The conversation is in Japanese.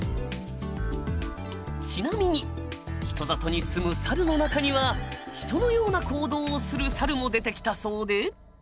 ちなみに人里にすむサルの中には人のような行動をするサルも出てきたそうで。